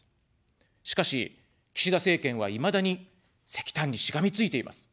しかし、岸田政権はいまだに石炭にしがみついています。